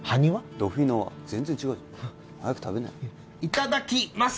ドフィノワ全然違うじゃん早く食べなよいただきます！